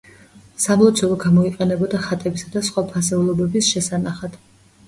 სამლოცველო გამოიყენებოდა ხატებისა და სხვა ფასეულობების შესანახად.